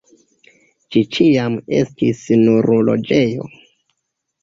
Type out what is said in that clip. Ĝi ĉiam estis nur loĝejo.